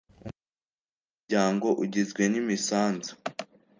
umutungo w umuryango ugizwe n imisanzu